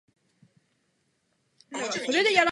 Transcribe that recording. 岐阜県輪之内町